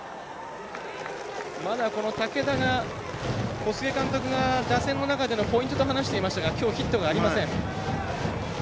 まだ武田が小菅監督が打線の中でのポイントと話していましたがきょうヒットがありません。